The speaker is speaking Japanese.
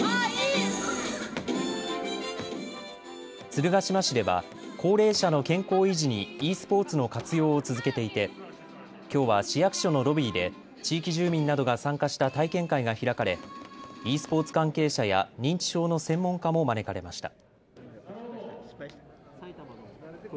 鶴ヶ島市では高齢者の健康維持にｅスポーツの活用を続けていてきょうは市役所のロビーで地域住民などが参加した体験会が開かれｅスポーツ関係者や認知症の専門家も招かれました。